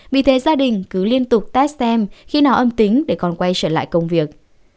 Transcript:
vì thế gia đình cứ liên tục test khi nào âm tính để còn quay trở lại công việc